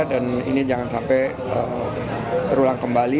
dan ini jangan sampai terulang kembali